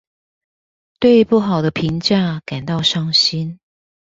對不好的評價感到傷心